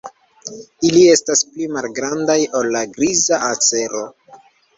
Ili estas pli malgrandaj ol la Griza ansero.